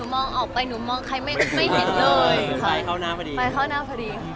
โอ้โห้โห้โอโห้โห้โห้ว